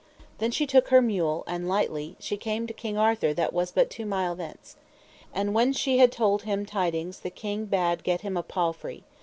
Then she took her mule, and lightly she came to King Arthur that was but two mile thence. And when she had told him tidings the king bade get him a palfrey.